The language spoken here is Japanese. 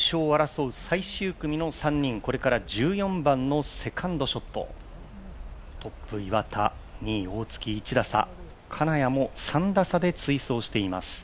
優勝を争う最終組の３人、これから１４番のセカンドショット、トップ岩田、２位大槻１打差、金谷も３打差で追走しています。